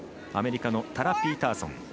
アメリカのタラ・ピーターソン。